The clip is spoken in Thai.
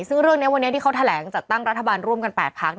ซึ่งเรื่องนี้วันนี้ที่เขาแถลงจัดตั้งรัฐบาลร่วมกัน๘พัก